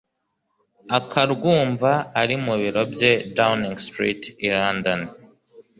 akarwumva ari mu Biro bye Downing Street, i London.